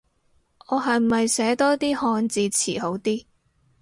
我係咪寫多啲漢字詞好啲